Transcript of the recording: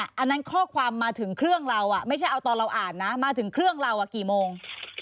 อันนั้นข้อความมาถึงเครื่องเราไม่ใช่เอาตอนเราอ่านนะมาถึงเครื่องเรากี่โมง